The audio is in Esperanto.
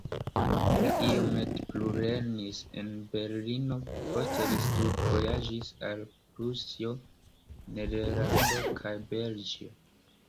Li iomete plulernis en Berlino, poste li studvojaĝis al Prusio, Nederlando kaj Belgio.